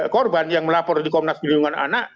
korban yang melapor di komnas perlindungan anak